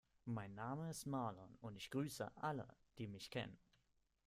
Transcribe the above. Mein Name ist Marlon und ich grüße alle, die mich kennen.